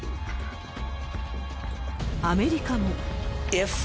アメリカも。